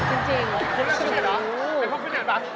คุณใหญ่ที่เจียดหรอ